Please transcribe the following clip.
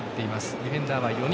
ディフェンダーは４人。